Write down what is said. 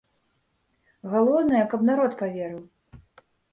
Галоўнае, каб народ паверыў.